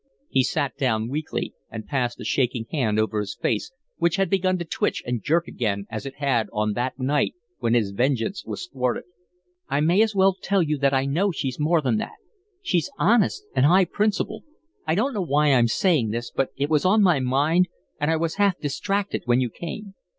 He sat down weakly and passed a shaking hand over his face, which had begun to twitch and jerk again as it had on that night when his vengeance was thwarted. "I may as well tell you that I know she's more than that. She's honest and high principled. I don't know why I'm saying this, but it was on my mind and I was half distracted when you came.